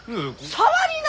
触りな！